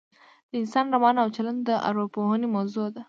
د انسان روان او چلن د اوراپوهنې موضوع ده